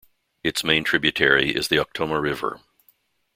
Its main tributary is the Ukhtoma River.